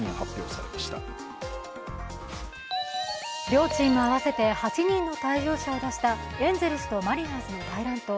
両チーム合わせて８人の退場者を出したエンゼルスとマリナーズの大乱闘。